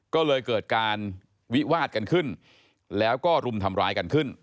ก็เลยเกิดการวิวาดกันขึ้นแล้วก็รุมทำร้ายกันขึ้น